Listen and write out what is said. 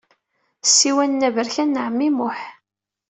Ssiwan-nni aberkan n ɛemmi Muḥ.